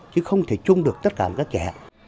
chứ không thể chung được tất cả các trẻ